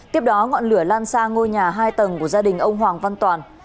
tiếp đó ngọn lửa lan sang ngôi nhà hai tầng của gia đình ông hoàng văn toàn